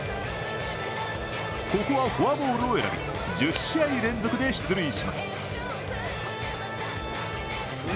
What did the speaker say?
ここはフォアボールを選び１０試合連続で出塁します。